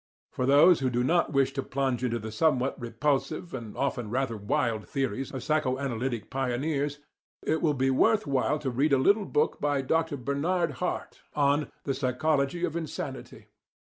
For those who do not wish to plunge into the somewhat repulsive and often rather wild theories of psychoanalytic pioneers, it will be worth while to read a little book by Dr. Bernard Hart on "The Psychology of Insanity."